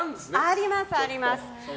あります、あります！